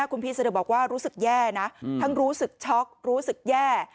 คุณพีเซเดอร์บอกว่ารู้สึกแย่นะทั้งรู้สึกช็อกรู้สึกแย่